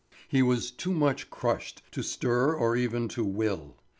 He was too much crushed to stir or even to will.